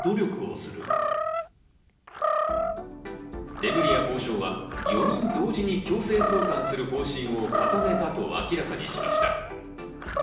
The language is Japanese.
レムリヤ法相は、４人同時に強制送還する方針を固めたと明らかにしました。